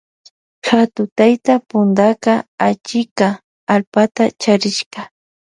Hatu tayta puntaka achika allpata charishka.